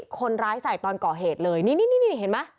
คนร้ายใส่ตอนก่อเหตุเลยนี่เห็นไหม